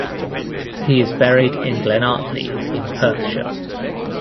He is buried in Glenartney in Perthshire.